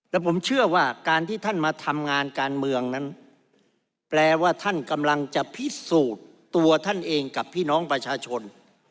และผมเชื่อว่าการที่ท่านมาทำงานการเมืองนั้นแปลว่าท่านกำลังจะพิสูจน์ตัวท่านเองกับพี่น้องประชาชน